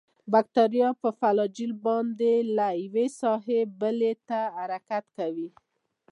باکتریا په فلاجیل باندې له یوې ساحې بلې ته حرکت کوي.